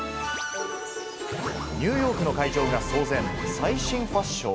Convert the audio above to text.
ニューヨークの会場が騒然、最新ファッション？